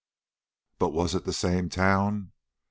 But was it the same town?